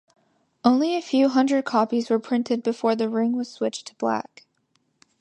Only a few hundred copies were printed before the ring was switched to black.